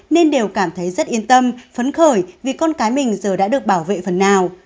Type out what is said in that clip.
nên đều cảm thấy rất yên tâm phấn khởi vì con cái mình giờ đã được bảo vệ phần nào